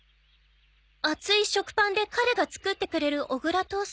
厚い食パンで彼が作ってくれる小倉トーストが好きだから。